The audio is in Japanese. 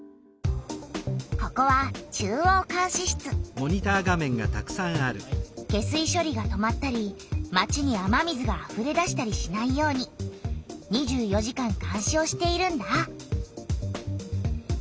ここは下水しょりが止まったり町に雨水があふれ出したりしないように２４時間監視をしているんだ。